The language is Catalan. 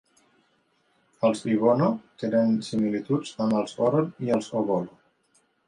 Els Ibono tenen similituds amb els Oron i els Obolo.